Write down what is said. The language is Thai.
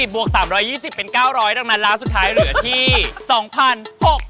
บวก๓๒๐เป็น๙๐๐ดังนั้นแล้วสุดท้ายเหลือที่๒๖๐๐บาท